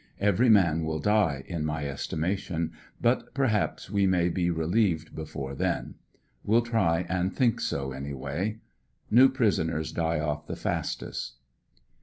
Every man will die, in my estimation, but perhaps we may be relieved before then. We'll try and think so anyway. New prisoners die off the fastest.